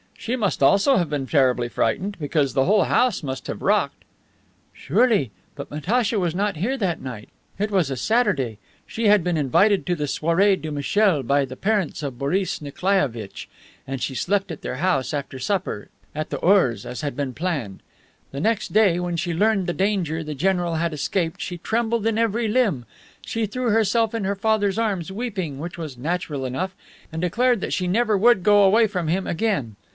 "She must also have been terribly frightened, because the whole house must have rocked." "Surely. But Natacha was not here that night. It was a Saturday. She had been invited to the soiree du 'Michel' by the parents of Boris Nikolaievitch, and she slept at their house, after supper at the Ours, as had been planned. The next day, when she learned the danger the general had escaped, she trembled in every limb. She threw herself in her father's arms, weeping, which was natural enough, and declared that she never would go away from him again.